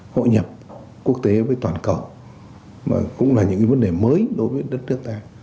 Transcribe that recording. hội nhập quốc tế với toàn cầu mà cũng là những vấn đề mới đối với đất nước ta